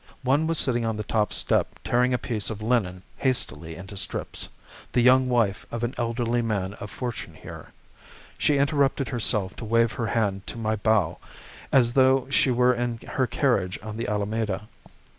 One was sitting on the top step tearing a piece of linen hastily into strips the young wife of an elderly man of fortune here. She interrupted herself to wave her hand to my bow, as though she were in her carriage on the Alameda.